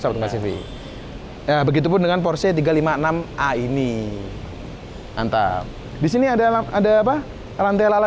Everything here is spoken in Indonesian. seperti pacific ya begitu pun dengan porsche tiga ratus lima puluh enam a ini mantap di sini ada apa lantai lala